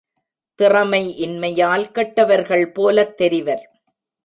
திறமை இன்மையால் கெட்டவர்கள் போலத் தெரிவர்.